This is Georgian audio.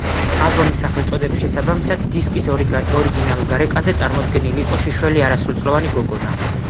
ალბომის სახელწოდების შესაბამისად დისკის ორიგინალურ გარეკანზე წარმოდგენილი იყო შიშველი არასრულწლოვანი გოგონა.